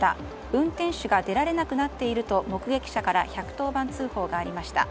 運転手が出られなくなっていると目撃者から１１０番通報がありました。